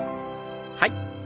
はい。